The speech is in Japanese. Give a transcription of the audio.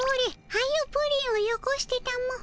はようプリンをよこしてたも。